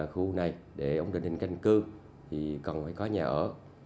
khu này để ổn định định canh cư thì cần phải có nhà ở